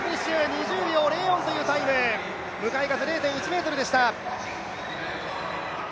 ２０秒０４というタイム、向かい風０．１メートルでした。